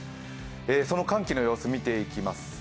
その寒気の様子を見ていきます。